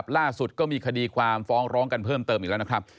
ล่าสุดก็มีคดีความฟ้องร้องกันเพิ่มเติมอีกแล้วนะครับ